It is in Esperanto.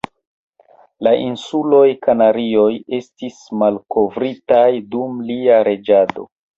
La Insuloj Kanarioj estis malkovritaj dum lia reĝado.